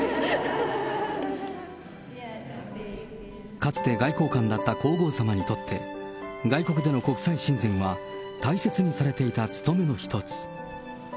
かつて外交官だった皇后さまにとって、外国での国際親善は大切にされていたつとめの一つ。